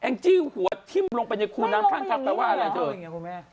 แอ้งจี้หัวทิ้งลงไปในคู่น้ำข้างข้างแต่ว่าอะไรเจ้า